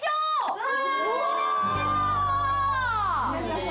うわ！